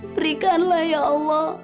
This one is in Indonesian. berikanlah ya allah